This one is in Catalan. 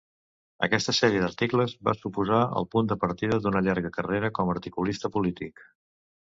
Aquesta sèrie d'articles va suposar el punt de partida d'una llarga carrera com articulista polític.